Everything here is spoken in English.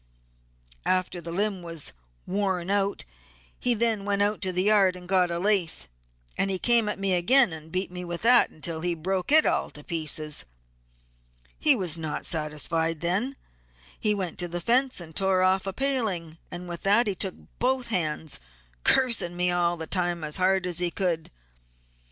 After the limb was worn out he then went out to the yard and got a lath, and he come at me again and beat me with that until he broke it all to pieces. He was not satisfied then; he next went to the fence and tore off a paling, and with that he took both hands, 'cursing' me all the time as hard as he could.